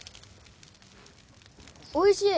おいしい！